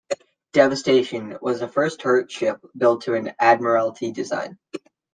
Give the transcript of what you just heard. "Devastation" was the first turret ship built to an Admiralty design.